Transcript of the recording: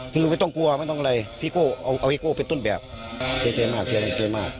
คือไม่ต้องกลัวไม่ต้องอะไรพี่โก้เอาพี่โก้เป็นต้นแบบเสียใจมากเสียใจมาก